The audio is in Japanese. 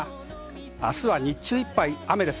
明日は日中いっぱい雨です。